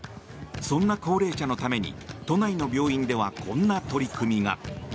そんな高齢者のために都内の病院ではこんな取り組みが。